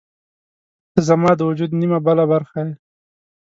• ته زما د وجود نیمه بله برخه یې.